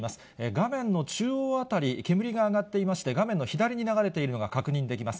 画面の中央あたり、煙が上がっていまして、画面の左に流れているのが確認できます。